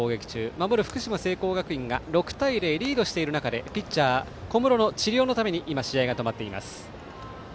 守る福島・聖光学院が６対０、リードしている中でピッチャー小室の治療のために試合が止まっています。